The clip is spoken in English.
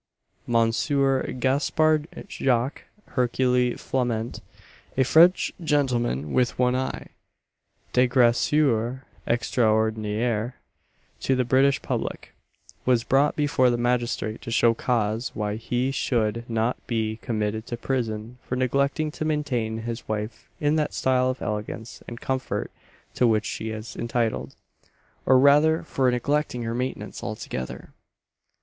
Mons. Gaspard Jacques Hercule Flament, a French gentleman with one eye "dégraisseur extraordinaire to the British public;" was brought before the magistrate to show cause why he should not be committed to prison for neglecting to maintain his wife in that style of elegance and comfort to which she was entitled or rather, for neglecting her maintenance altogether.